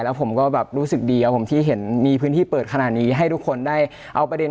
แล้วผมก็แบบรู้สึกดีครับผมที่เห็นมีพื้นที่เปิดขนาดนี้ให้ทุกคนได้เอาประเด็น